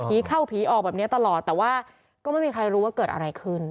เข้าผีออกแบบนี้ตลอดแต่ว่าก็ไม่มีใครรู้ว่าเกิดอะไรขึ้น